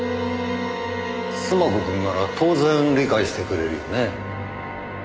須磨子くんなら当然理解してくれるよね？